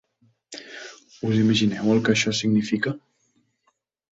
Us imagineu el que això significa?